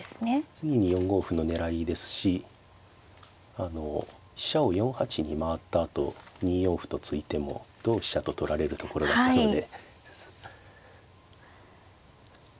次に４五歩の狙いですしあの飛車を４八に回ったあと２四歩と突いても同飛車と取られるところだったので。